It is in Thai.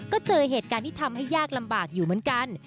ก็เจอเหตุการณ์ที่ทำให้ยากลำบากอยู่เหมือนกัน